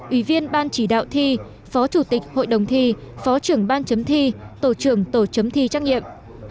ủy viên ban chỉ đạo thi phó chủ tịch hội đồng thi phó trưởng ban chấm thi tổ trưởng tổ chấm thi trách nhiệm